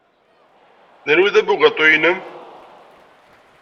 Anwa ay d abugaṭu-nnem?